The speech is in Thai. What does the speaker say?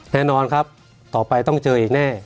แน่นอนครับต่อไปต้องเจออีกแน่